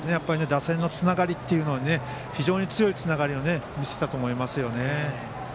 打線のつながりというところで非常に強いつながりを見せたと思いますよね。